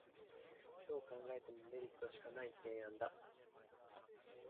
どう考えてもメリットしかない提案だ